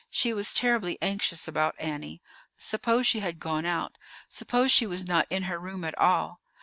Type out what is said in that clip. She was terribly anxious about Annie. Suppose she had gone out! Suppose she was not in her room at all!